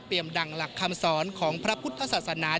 ดังหลักคำสอนของพระพุทธศาสนา